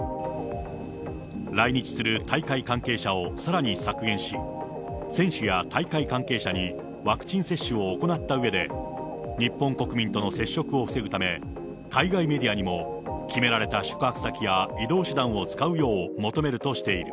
来日する大会関係者をさらに削減し、選手や大会関係者にワクチン接種を行ったうえで、日本国民との接触を防ぐため、海外メディアにも決められた宿泊先や移動手段を使うよう求めるとしている。